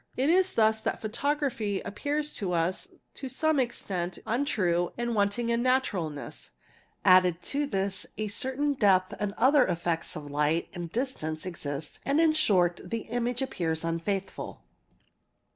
It is thus that photography appears to us to some extent untrue and wanting in naturalness : added to this, a certain depth and other effects of light and distance exist and in short the image appears unfaithful.